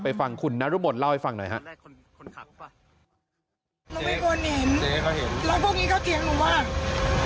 ไปฟังคุณนรุบนเล่าให้ฟังหน่อยครับ